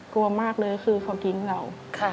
กลัวมากเลยคือเขาทิ้งเรา